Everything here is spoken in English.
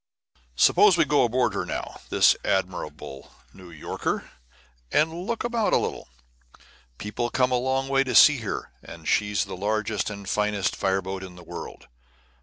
Suppose we go aboard her now, this admirable New Yorker, and look about a little. People come a long way to see her, for she's the largest and finest fire boat in the world.